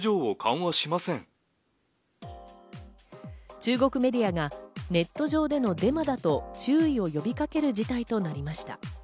中国メディアがネット上でのデマだと注意を呼びかける事態となりました。